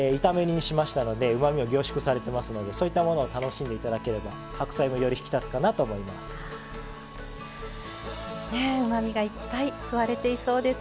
炒め煮にしましたので、うまみが凝縮されていますのでそういったものを楽しんでいただければ白菜がより引き立つかなと思います。